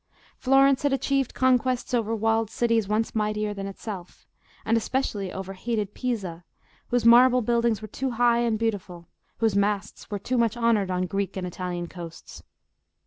Florence had achieved conquests over walled cities once mightier than itself, and especially over hated Pisa, whose marble buildings were too high and beautiful, whose masts were too much honoured on Greek and Italian coasts.